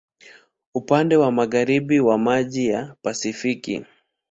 Upande wa magharibi ni maji wa Pasifiki.